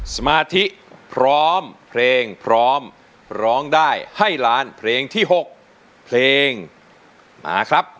สมาธิพร้อมเพลงพร้อมร้องได้ให้ล้านเพลงที่๖เพลงมาครับ